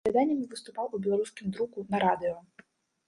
З апавяданнямі выступаў у беларускім друку, на радыё.